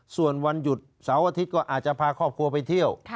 ส่วนวันหยุดเสาร์อาทิตย์ก็อาจจะพาครอบครัวไปเที่ยว